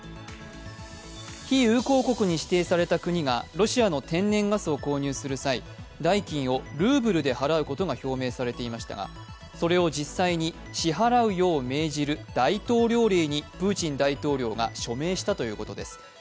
非友好国に指定された国がロシアの天然ガスで購入する際、代金をルーブルで払うことが表明されていましたが、それを実際に支払うよう命じる大統領令にプーチン大統領が署名したということです。